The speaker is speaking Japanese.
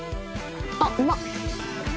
あっうまっ。